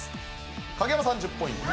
影山さん１０ポイント